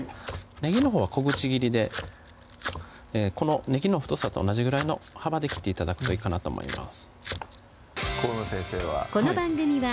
ねぎのほうは小口切りでこのねぎの太さと同じぐらいの幅で切って頂くといいかなと思います